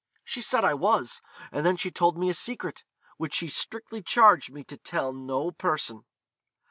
She said I was; and then she told me a secret, which she strictly charged me to tell no person.'